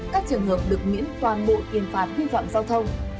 các trường hợp được miễn toàn bộ tiền phạt vi phạm giao thông